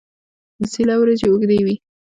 د سیله وریجې اوږدې وي.